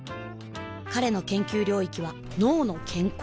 彼の研究領域は「脳の健康」